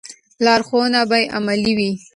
لارښوونې به عملي وي.